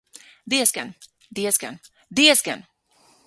Diezgan, diezgan, diezgan!